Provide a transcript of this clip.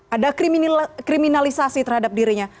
ada kriminalisasi terhadap dirinya